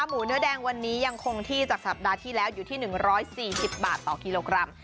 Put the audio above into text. หมูเนื้อแดงวันนี้ยังคงที่จากสัปดาห์ที่แล้วอยู่ที่๑๔๐บาทต่อกิโลกรัม